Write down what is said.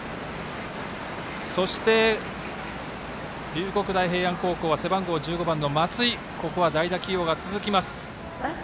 そして、龍谷大平安高校は背番号１５番の松井と代打起用が続きます。